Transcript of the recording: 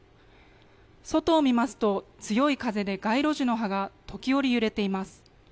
外を見ますと、強い風で街路樹の葉が時折揺れています。